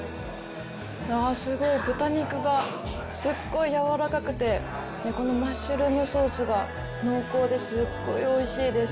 あぁ、すごい豚肉がすごいやわらかくてこのマッシュルームソースが濃厚ですっごいおいしいです。